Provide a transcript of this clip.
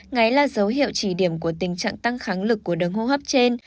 ngáy là dấu hiệu chỉ điểm của tình trạng tăng kháng lực của đường hô hấp trên